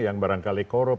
yang barangkali korup